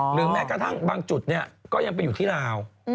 หรือแม้กระทั่งบางจุดเนี่ยก็ยังไปอยู่ที่ลาว